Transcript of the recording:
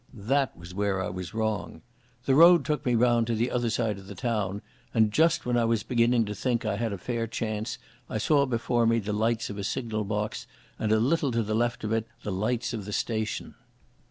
That was where I was wrong. The road took me round to the other side of the town, and just when I was beginning to think I had a fair chance I saw before me the lights of a signal box and a little to the left of it the lights of the station.